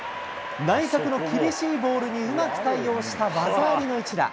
内角の厳しいボールにうまく対応した技ありの一打。